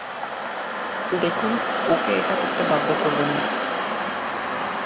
দেখুন ওকে এটা করতে বাধ্য করবেন না।